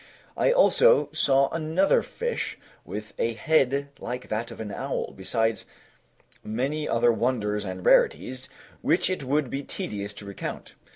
I also saw another fish, with a head like that of an owl, besides many other wonders and rarities, which it would be tedious to recount.